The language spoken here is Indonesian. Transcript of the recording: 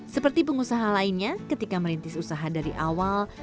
seperti pengusaha lainnya ketika merintis usaha dari awal